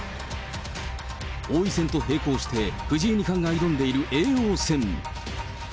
王位戦と並行して藤井二冠が挑んでいる叡王戦。